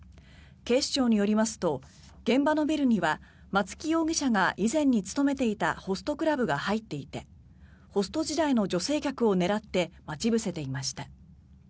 警視庁によりますと現場のビルには松木容疑者が以前に勤めていたホストクラブが入っていてホスト時代の女性客を狙って待ち伏せていました。